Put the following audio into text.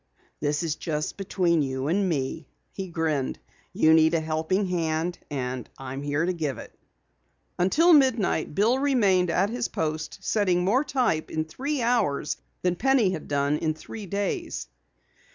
"This is just between you and me," he grinned. "You need a helping hand and I'm here to give it." Until midnight Bill remained at his post, setting more type in three hours than Penny had done in three days.